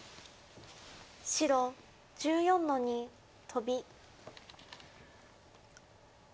白１４の二トビ。